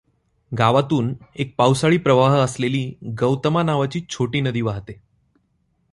गावातून एक पावसाळी प्रवाह असलेली गौतमा नावाची छोटी नदी वाहते.